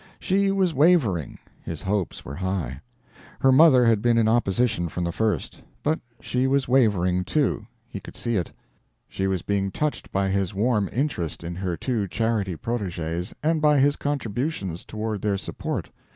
She was wavering, his hopes were high. Her mother had been in opposition from the first. But she was wavering, too; he could see it. She was being touched by his warm interest in her two charity proteges and by his contributions toward their support.